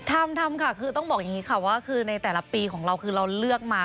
ทำทำค่ะคือต้องบอกอย่างนี้ค่ะว่าคือในแต่ละปีของเราคือเราเลือกมา